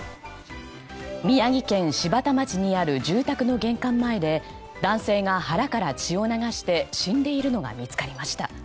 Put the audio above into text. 宮城県柴田町にある住宅の玄関前で男性が腹から血を流して死んでいるのが見つかりました。